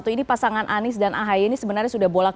ini pasangan anies dan ahy ini sebenarnya sudah bolak balik